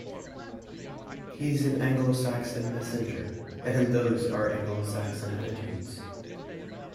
He’s an Anglo-Saxon Messenger—and those are Anglo-Saxon attitudes.